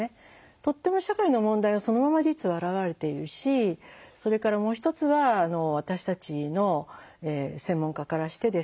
とっても社会の問題がそのまま実は表れているしそれからもう一つは私たちの専門家からしてですね